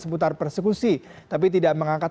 seputar persekusi tapi tidak mengangkat